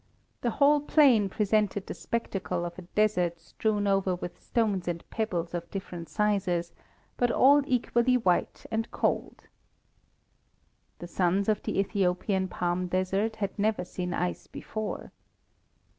The whole plain presented the spectacle of a desert strewn over with stones and pebbles of different sizes, but all equally white and cold. The sons of the Ethiopian palm desert had never seen ice before.